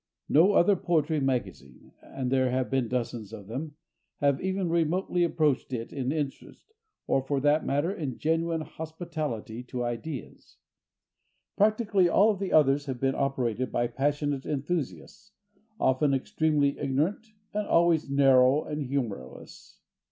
No other poetry magazine—and there have been dozens of them—has even remotely approached it in interest, or, for that matter, in genuine hospitality to ideas. Practically all of the others have been operated by passionate enthusiasts, often extremely ignorant and always narrow and humorless.